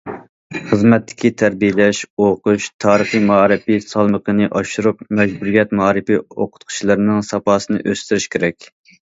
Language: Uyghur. خىزمەتتىكى تەربىيەلەش، ئوقۇش تارىخى مائارىپى سالمىقىنى ئاشۇرۇپ، مەجبۇرىيەت مائارىپى ئوقۇتقۇچىلىرىنىڭ ساپاسىنى ئۆستۈرۈش كېرەك.